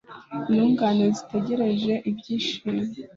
intungane zitegereje ibyishimo